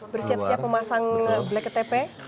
bersiap siap pemasang bktp